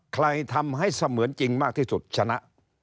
ทำให้เสมือนจริงมากที่สุดชนะ